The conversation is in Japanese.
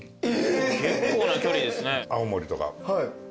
結構な距離ですね。